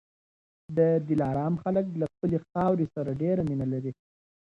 د دلارام خلک له خپلي خاورې سره ډېره مینه لري.